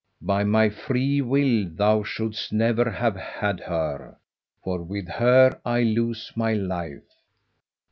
By my free will thou shouldst never have had her, for with her I lose my life."